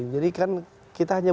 jadi kan kita hanya